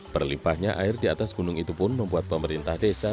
berlimpahnya air di atas gunung itu pun membuat pemerintah desa